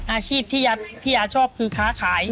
อาชีพที่พี่อาชอบคือค้าขาย